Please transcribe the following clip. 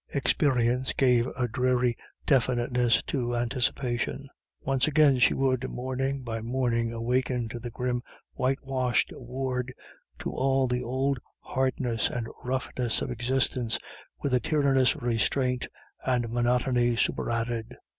Experience gave a dreary definiteness to anticipation. Once again she would morning by morning awaken in the grim whitewashed ward to all the old hardness and roughness of existence with a tyrannous restraint and monotony superadded.